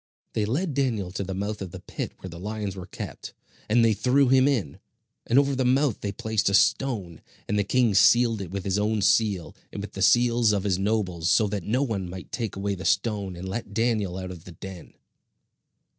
They led Daniel to the mouth of the pit where the lions were kept, and they threw him in; and over the mouth they placed a stone; and the king sealed it with his own seal, and with the seals of his nobles; so that no one might take away the stone and let Daniel out of the den.